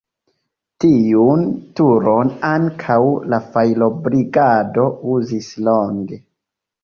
Tiun turon ankaŭ la fajrobrigado uzis longe.